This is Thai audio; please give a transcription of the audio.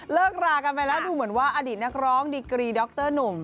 รากันไปแล้วดูเหมือนว่าอดีตนักร้องดีกรีดรหนุ่ม